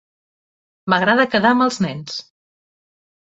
M'agrada quedar amb els nens.